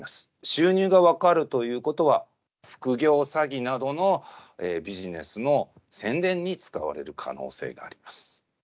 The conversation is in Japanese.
収入が分かるということは、副業詐欺などのビジネスの宣伝に使われる可能性があります。